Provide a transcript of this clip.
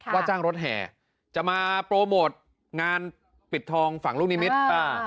ว่าจ้างรถแห่จะมาโปรโมทงานปิดทองฝั่งลูกนิมิตรอ่า